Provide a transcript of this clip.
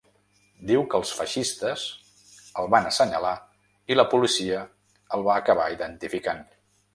Diu que els feixistes el van assenyalar i la policia el va acabar identificant.